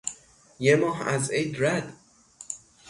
یه ماه از عید رد